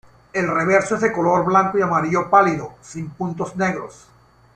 El reverso es de color blanco y amarillo pálido, sin puntos negros.